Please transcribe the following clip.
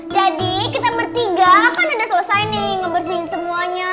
jadi kita bertiga kan udah selesai nih ngebersihin semuanya